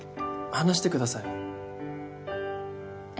話してください